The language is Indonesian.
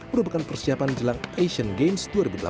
merupakan persiapan jelang asian games dua ribu delapan belas